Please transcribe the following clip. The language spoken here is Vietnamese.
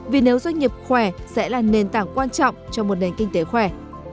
vì nếu doanh nghiệp khỏe sẽ là nền tảng quan trọng cho một nền kinh tế khỏe